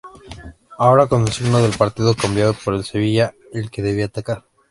Ahora, con el signo del partido cambiado, era el Sevilla el que debía atacar.